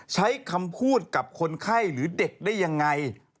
ใช้คำพูดกับคนไข้หรือเด็กได้ยังไง